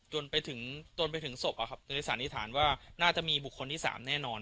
จนไปถึงจนไปถึงศพอะครับในสาริฐานว่าน่าจะมีบุคคลที่สามแน่นอน